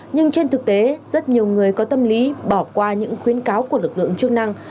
nhưng trên thực tế rất nhiều người có tâm lý bỏ qua những khuyến cáo của lực lượng chức năng